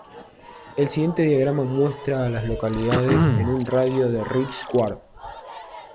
El siguiente diagrama muestra a las localidades en un radio de de Rich Square.